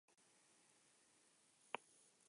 Greenway es ateo.